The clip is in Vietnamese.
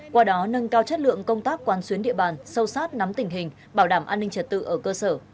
qua đó nâng cao chất lượng công tác quan xuyến địa bàn sâu sát nắm tình hình bảo đảm an ninh trật tự ở cơ sở